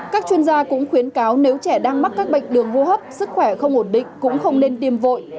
các chuyên gia cũng khuyến cáo nếu trẻ đang mắc các bệnh đường hô hấp sức khỏe không ổn định cũng không nên tiêm vội